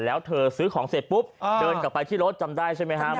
แล้วเธอซื้อของเสร็จปุ๊บเดินกลับไปที่รถจำได้ใช่ไหมครับ